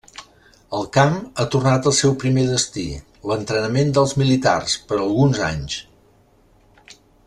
El camp ha tornat al seu primer destí, l’entrenament dels militars, per a alguns anys.